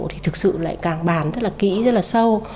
thì thực sự lại càng bàn rất là kỹ rất là sâu